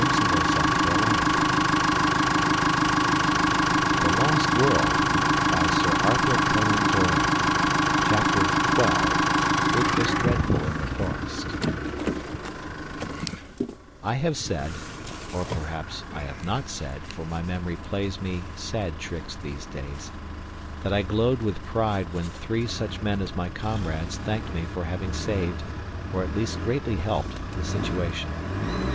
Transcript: "Boys will be boys," said he. "Lake Gladys let it be." CHAPTER XII "It was Dreadful in the Forest" I have said or perhaps I have not said, for my memory plays me sad tricks these days that I glowed with pride when three such men as my comrades thanked me for having saved, or at least greatly helped, the situation.